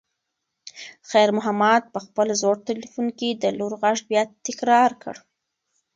خیر محمد په خپل زوړ تلیفون کې د لور غږ بیا تکرار کړ.